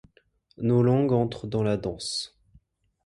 Nos langues entrent dans la danse.